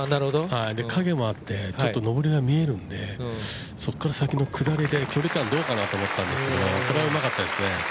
影もあって、ちょっと上りが見えるのでそこから先の下りで距離感どうかなと思ったんですがこれはうまかったですね。